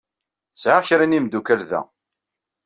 Sɛiɣ kra n yimeddukal da.